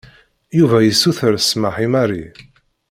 Yuba yessuter smeḥ i Mary.